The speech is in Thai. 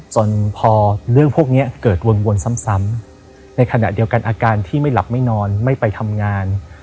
จนพอเรื่องพวกนี้เกิดวนซ้ำในขณะเดียวกันอาการที่ไม่หลับไม่นอนไม่ไปทำงาน